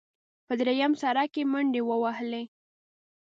په درېیم سړک کې منډې ووهلې.